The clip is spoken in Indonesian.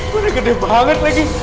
kau gede banget lagi